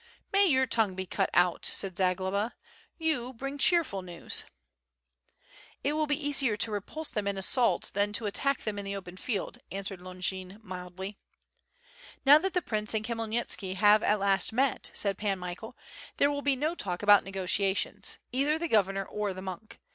"May your tongue be cut out!" said Zagloba, "you bring cheerful news." 698 WITH FIRE AND SWORD. "It will be easier to repulse them in assault than to attack them in the open field/' answered Longin mildly. "Now that the prince and Khmyelnitski have at last met/' said Pan Michael, "there will be no talk about negotiations. Either the governor or the monk.